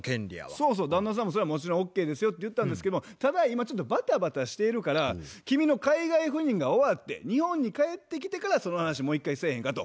そうそう旦那さんもそれはもちろんＯＫですよって言ったんですけどもただ今ちょっとバタバタしているから君の海外赴任が終わって日本に帰ってきてからその話もう一回せえへんかと。